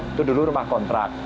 itu dulu rumah kontrak